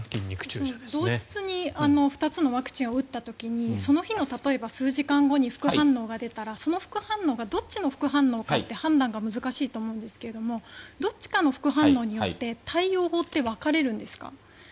同日に２つのワクチンを打った時にその日の数時間後に副反応が出たらその副反応がどっちの副反応かって判断が難しいと思うんですがどっちかの副反応によって対応法って分かれるんですか？